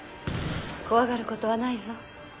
怖がることはないぞ。